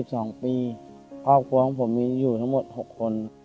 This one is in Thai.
สองปีครอบครัวของผมมีอยู่ทั้งหมดหกคน